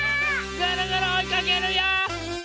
ぐるぐるおいかけるよ！